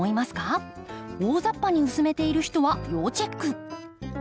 大ざっぱに薄めている人は要チェック。